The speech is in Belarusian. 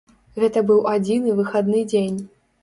Гэта быў адзіны выхадны дзень.